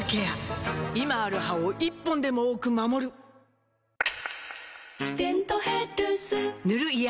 今ある歯を１本でも多く守る「デントヘルス」塗る医薬品も